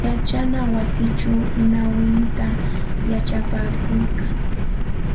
Yachana wasichaw nawintsayta yachapakuykaa.